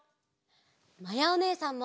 まやおねえさんも。